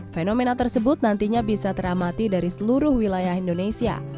fenomena tersebut nantinya bisa teramati dari seluruh wilayah indonesia